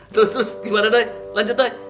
terus terus gimana day lanjut day